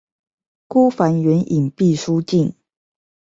孤帆遠影畢書盡